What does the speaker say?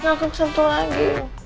aku kesantung lagi